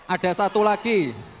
ada satu lagi